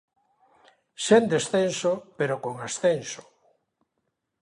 Sen descenso pero con ascenso.